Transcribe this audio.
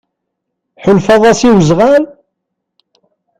Tḥulfaḍ-as i wezɣal?